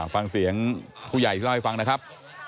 ฟังเสียงผู้ใหญ่ที่เล่าให้ฟังนะครับ